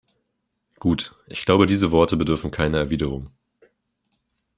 Gut, ich glaube, diese Worte bedürfen keiner Erwiderung.